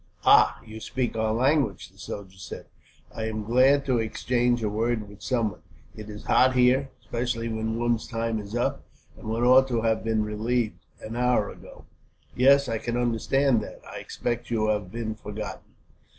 "Ah, you speak our language!" the soldier said. "I am glad to exchange a word with someone. It is hot here, especially when one's time is up, and one ought to have been relieved, an hour ago." "Yes, I can understand that. I expect you have been forgotten."